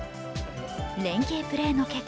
連係プレーの結果